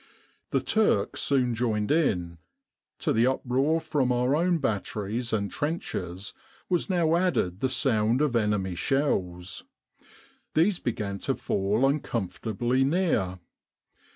" The Turk soon joined in. To the uproar from our own batteries and trenches was now added the sound of enemy shells. These began to fall uncomfortably near.